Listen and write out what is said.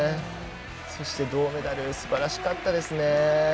そして銅メダルすばらしかったですね。